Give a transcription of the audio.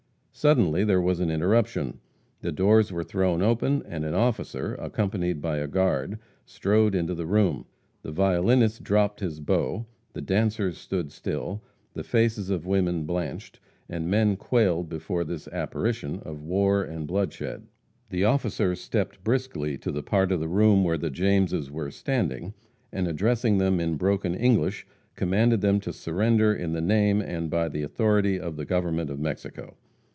Suddenly there was an interruption. The doors were thrown open, and an officer, accompanied by a guard, strode into the room. The violinist dropped his bow; the dancers stood still; the faces of women blanched, and men quailed before this apparition of war and bloodshed. The officer stepped briskly to the part of the room where the Jameses were standing, and addressing them in broken English, commanded them to surrender in the name and by the authority of the government of Mexico.